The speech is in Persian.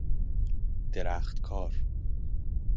درختکار